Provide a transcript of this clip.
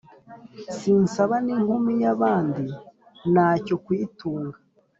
Sinsaba n,inkumi yabandi nacyo kuyitunga